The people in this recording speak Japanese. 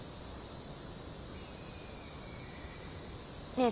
ねえ